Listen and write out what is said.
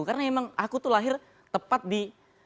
karena emang aku tuh lahir tepat di